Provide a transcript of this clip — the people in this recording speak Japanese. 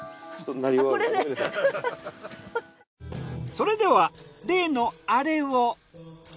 それでは例のアレを。